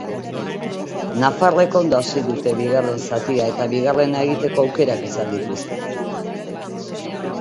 Nafarrek ondo hasi dute bigarren zatia eta bigarrena egiteko aukerak izan dituzte.